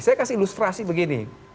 saya kasih ilustrasi begini